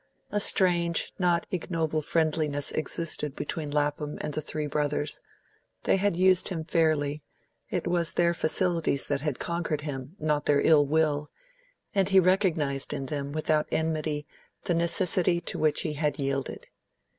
A strange, not ignoble friendliness existed between Lapham and the three brothers; they had used him fairly; it was their facilities that had conquered him, not their ill will; and he recognised in them without enmity the necessity to which he had yielded.